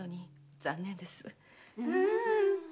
うん！